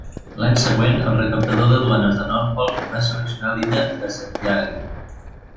L'any següent, el recaptador de duanes de Norfolk va seleccionar l'illa d'Assateague.